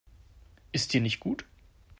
Ist dir nicht gut?